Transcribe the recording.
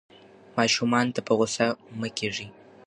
ماشومانو ته په غوسه مه کېږئ.